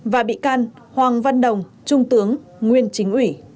và bị can hoàng văn đồng trung tướng nguyên chính ủy